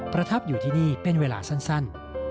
ประทับอยู่ที่นี่เป็นเวลาสั้น